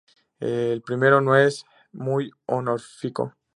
El primero no es muy honorífico.